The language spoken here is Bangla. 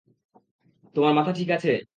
তোমার মাথা ঠিক আছে।